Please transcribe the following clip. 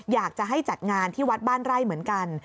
อยากจะให้จัดงานที่วัดบ้านไร่เหมือนกัน